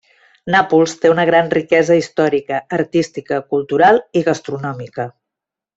Nàpols té una gran riquesa històrica, artística, cultural i gastronòmica.